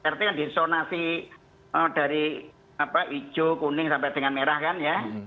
rt yang disonasi dari hijau kuning sampai dengan merah kan ya